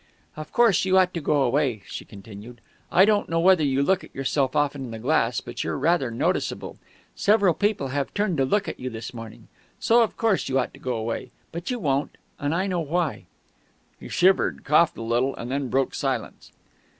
"Of course, you ought to go away," she continued. "I don't know whether you look at yourself often in the glass, but you're rather noticeable. Several people have turned to look at you this morning. So, of course, you ought to go away. But you won't, and I know why." He shivered, coughed a little, and then broke silence.